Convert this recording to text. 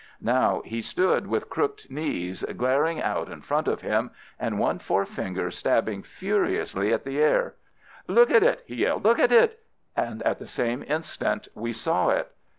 Now he stood with crooked knees, glaring out in front of him, and one forefinger stabbing furiously at the air. "Look at it!" he yelled. "Look at it!" And at the same instant we saw it.